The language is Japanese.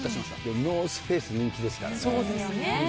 ノースフェイス、人気ですからね。